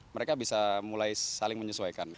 mereka bisa mulai saling menyesuaikan